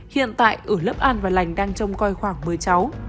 hiện tại ở lớp an và lành đang trông coi khoảng một mươi cháu